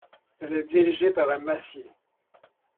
Elle est dirigée par un massier.